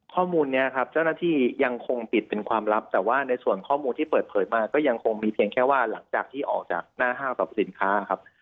ข้อมูลนี้ครับเจ้าหน้าที่ยังคงปิดเป็นความลับแต่ว่าในส่วนข้อมูลที่เปิดเผยมาก็ยังคงมีเพียงแค่ว่าหลังจากที่ออกจากหน้าห้างสรรพสินค้าครับ